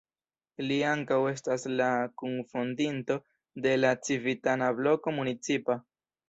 Li ankaŭ estas la kunfondinto de la Civitana Bloko Municipa.